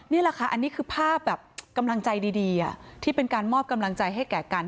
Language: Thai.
นี่แหละค่ะอันนี้คือภาพแบบกำลังใจดีที่เป็นการมอบกำลังใจให้แก่กัน